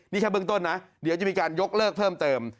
นี่แค่เบื้องต้นนะเดี๋ยวจะมีการยกเลิกเพิ่มเติม